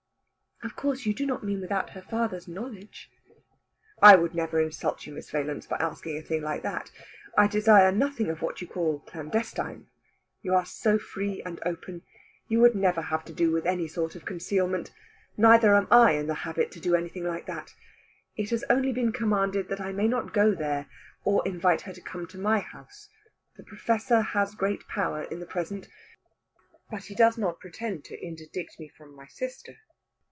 "Of course you do not mean without her father's knowledge." "I would never insult you, Miss Valence, by asking a thing like that. I desire nothing of what you call clandestine. You are so free and open, you would never have to do with any sort of concealment. Neither am I in the habit to do anything like that. It has only been commanded that I may not go there, or invite her to come to my house. The Professor has great power in the present, but he does not pretend to interdict me from my sister."